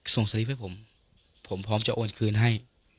สลิปให้ผมผมพร้อมจะโอนคืนให้